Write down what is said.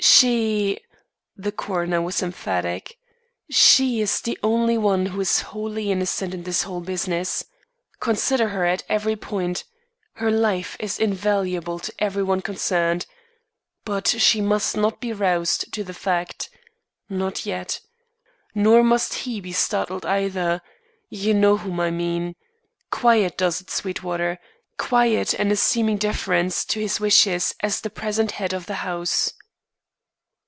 "She " the coroner was emphatic, "she is the only one who is wholly innocent in this whole business. Consider her at every point. Her life is invaluable to every one concerned. But she must not be roused to the fact; not yet. Nor must he be startled either; you know whom I mean. Quiet does it, Sweetwater. Quiet and a seeming deference to his wishes as the present head of the house."